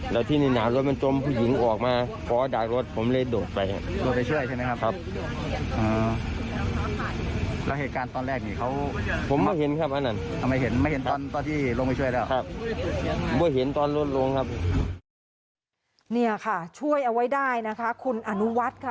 นี่ค่ะช่วยเอาไว้ได้นะคะคุณอนุวัฒน์ค่ะ